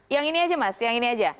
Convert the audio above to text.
yang ini aja mas yang ini aja